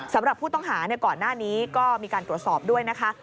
สำหรับผู้ต้องหาก่อนหน้านี้ก็มีการตรวจสอบด้วยนะคะ